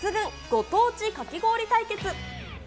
ご当地かき氷対決。